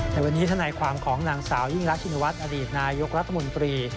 ในวันนี้ทนายความของนางสาวยิ่งรักชินวัฒน์อดีตนายกรัฐมนตรี